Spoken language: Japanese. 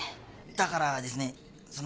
だからですねその。